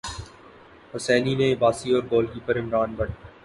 حسینی نے عباسی اور goalkeeper Imran but